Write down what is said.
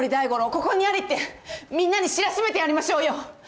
ここにありってみんなに知らしめてやりましょうよ！